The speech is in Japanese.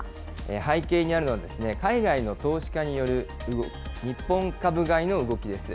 背景にあるのは海外の投資家による日本株買いの動きです。